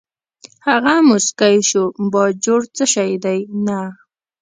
هغه موسکی شو: باجوړ څه شی دی، نه.